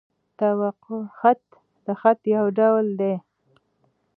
توقع خط؛ د خط یو ډول دﺉ.